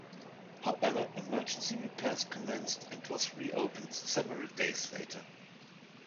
However, emergency repairs commenced and was reopened several days later.